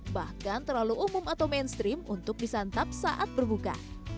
bahkan terlalu umum atau mainstream untuk disantap saat berbuka